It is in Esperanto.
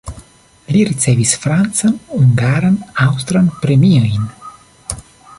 Li ricevis francan, hungaran, aŭstran premiojn.